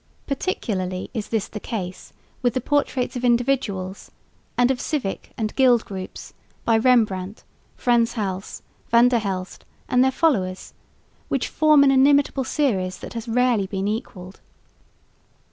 Particularly is this the case with the portraits of individuals and of civic and gild groups by Rembrandt, Frans Hals, Van der Helst and their followers, which form an inimitable series that has rarely been equalled.